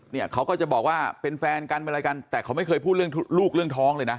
เนี่ยเขาก็จะบอกว่าเป็นแฟนกันเป็นอะไรกันแต่เขาไม่เคยพูดเรื่องลูกเรื่องท้องเลยนะ